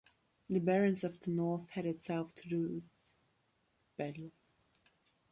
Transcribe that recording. The barons of the north headed south to do battle.